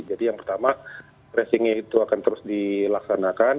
jadi yang pertama tracingnya itu akan terus dilaksanakan